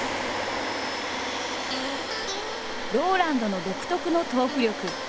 ＲＯＬＡＮＤの独特のトーク力。